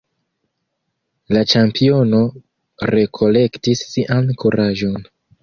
La ĉampiono rekolektis sian kuraĝon.